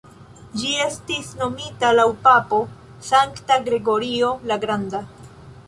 Ĝi estis nomita laŭ papo Sankta Gregorio la Granda.